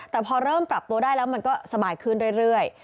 แต่พอเริ่มปรับตัวได้แล้วมันก็สบายขึ้นเรื่อย